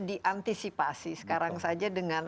diantisipasi sekarang saja dengan